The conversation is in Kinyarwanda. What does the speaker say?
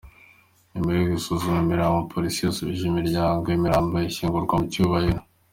Nyuma yo gusuzuma imirambo, Polisi yasubije umuryango imirambo ishyingurwa mu cyubahiro.